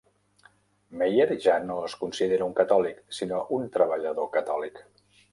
Meyer ja no es considera un catòlic, sinó un treballador catòlic.